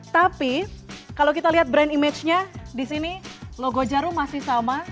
tapi kalau kita lihat brand image nya di sini logo jarum masih sama